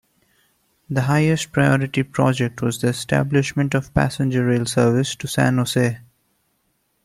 The highest-priority project was the establishment of passenger rail service to San Jose.